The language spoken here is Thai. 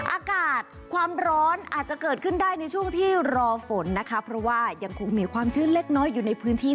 อากาศความร้อนอาจจะเกิดขึ้นได้ในช่วงที่รอฝนนะคะเพราะว่ายังคงมีความชื้นเล็กน้อยอยู่ในพื้นที่